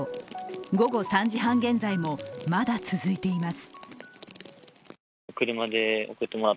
午後３時半現在もまだ続いています